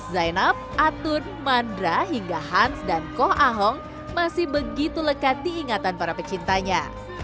zainab atun mandra hingga hans dan koh ahong masih begitu lekat diingatan para pecintanya